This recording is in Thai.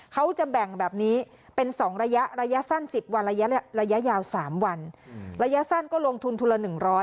เขาจะแบ่งแบบนี้เป็น๒ระยะระยะสั้น๑๐วันระยะยาว๓วันระยะสั้นก็ลงทุนทุนละ๑๐๐